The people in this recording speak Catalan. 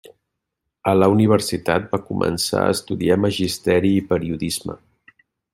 A la universitat va començar a estudiar magisteri i periodisme.